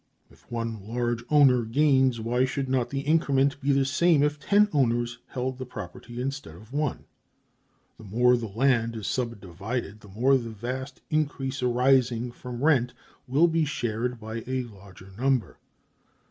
If one large owner gains, why should not the increment be the same if ten owners held the property instead of one? The more the land is subdivided, the more the vast increase arising from rent will be shared by a larger number.